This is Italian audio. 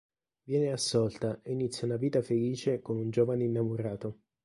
Viene assolta e inizia una vita felice con un giovane innamorato.